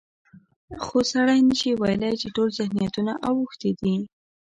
خو سړی نشي ویلی چې ټول ذهنیتونه اوښتي دي.